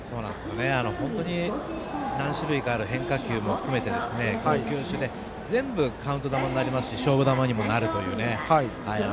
本当に何種類かある変化球を含めて全部、カウント球になりますし勝負球になるというね。